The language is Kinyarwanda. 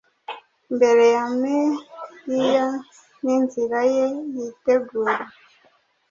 Mbere ya Meiya ninzira ye yitegura